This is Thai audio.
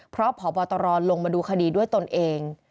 เพราะพบตรลงมาดูคดีด้วยตนเอง